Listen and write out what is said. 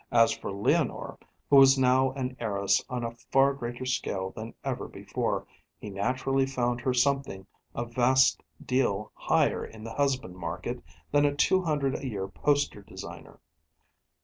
As for Leonore, who was now an heiress on a far greater scale than ever before, he naturally found her something a vast deal higher in the husband market than a two hundred a year poster designer.